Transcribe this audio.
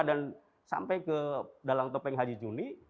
dan sampai ke dalang topeng haji juni